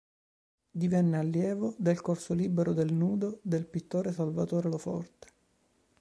Divenne allievo del corso libero del nudo del pittore Salvatore Lo Forte.